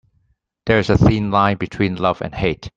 There is a thin line between love and hate.